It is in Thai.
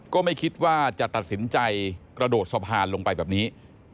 ก็ไม่คิดว่าจะตัดสินใจกระโดดสะพานลงไปแบบนี้